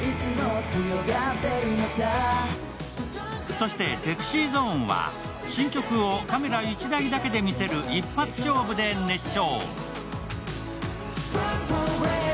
そしてＳｅｘｙＺｏｎｅは新曲をカメラ１台だけで見せる一発勝負で熱唱。